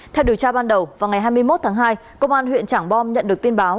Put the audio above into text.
theo điều tra ban đầu vào ngày hai mươi một tháng hai công an huyện trảng bom nhận được tin báo